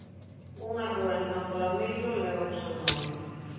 Unha rúa en Campo Lameiro leva o seu nome.